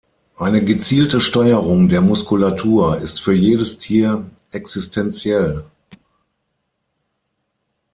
Eine gezielte Steuerung der Muskulatur ist für jedes Tier existenziell.